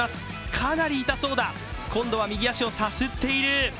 かなり痛そうだ、今度は右足をさすっている。